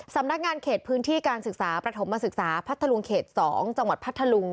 สำนักงานเขตพื้นที่การศึกษาประถมศึกษาพัทธลุงเขต๒จังหวัดพัทธลุง